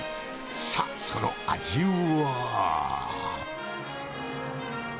さあ、その味は。